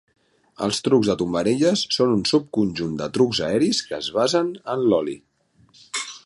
Els "trucs de tombarelles" són un subconjunt de trucs aeris que es basen en l'ol·li.